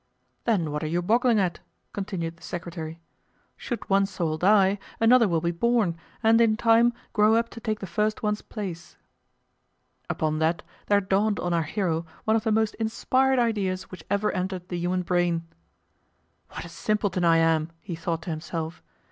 "Then what are you boggling at?" continued the Secretary. "Should one soul die, another will be born, and in time grow up to take the first one's place." Upon that there dawned on our hero one of the most inspired ideas which ever entered the human brain. "What a simpleton I am!" he thought to himself.